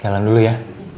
jalan dulu ya